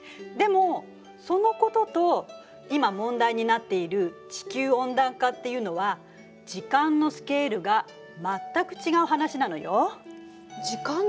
でもそのことと今問題になっている地球温暖化っていうのは時間のスケールが全く違う話なのよ。